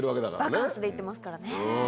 バカンスで行ってますからね。